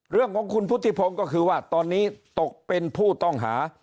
เรื่องของคุณพุทธิพงศ์ก็คือว่าตอนนี้ตกเป็นผู้ต้องหา